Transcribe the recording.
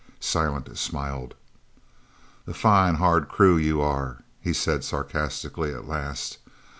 Silent smiled. "A fine, hard crew you are," he said sarcastically at last.